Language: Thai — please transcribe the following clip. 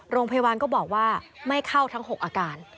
โรงพยาบาลก็บอกว่าไม่เข้าทั้ง๖อาการ